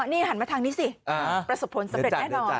นี่หันมาทางนี้สิประสบผลสำเร็จแน่นอน